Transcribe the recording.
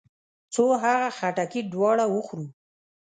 څو هغه خټکي دواړه وخورو.